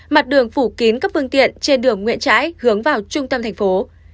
mặt đường phủ kín các phương tiện trên đường nguyễn trãi hướng vào trung tâm thành phố